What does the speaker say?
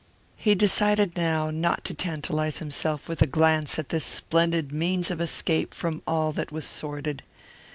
He decided now not to tantalize himself with a glance at this splendid means of escape from all that was sordid.